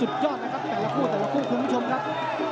ตามต่อยกที่สองครับ